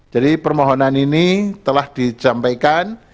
jadi permohonan ini telah dijempaikan